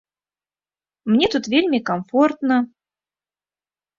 Мне тут вельмі камфортна.